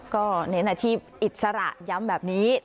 ก็เน้นอาชีพอิสระย้ำแบบนี้